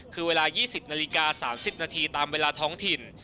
คือเวลา๒๐นาฬิกา๓๐นาทีตามเวลาท้องถิ่น